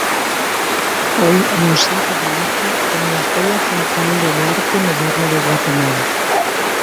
Hoy el Museo permanece como la joya central del arte moderno de Guatemala.